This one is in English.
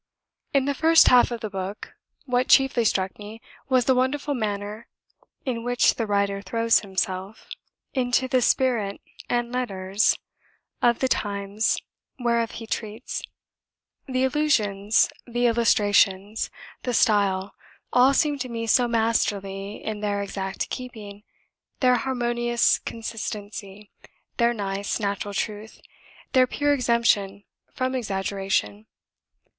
In the first half of the book, what chiefly struck me was the wonderful manner in which the writer throws himself into the spirit and letters of the times whereof he treats; the allusions, the illustrations, the style, all seem to me so masterly in their exact keeping, their harmonious consistency, their nice, natural truth, their pure exemption from exaggeration.